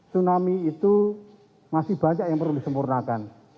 tsunami itu masih banyak yang perlu disempurnakan